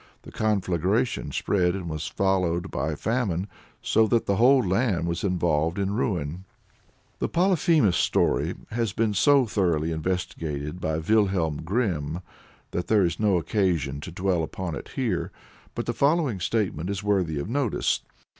The conflagration spread and was followed by famine, so that the whole land was involved in ruin. The Polyphemus story has been so thoroughly investigated by Wilhelm Grimm, that there is no occasion to dwell upon it here. But the following statement is worthy of notice.